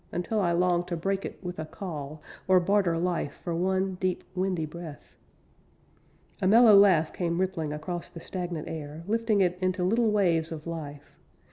Until I longed to break it with a call, Or barter life for one deep, windy breath. A mellow laugh came rippling Across the stagnant air, Lifting it into little waves of life.